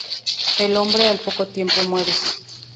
El hombre al poco tiempo muere.